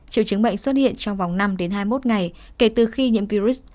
triều chứng bệnh xuất hiện trong vòng năm hai mươi một ngày kể từ khi nhiễm virus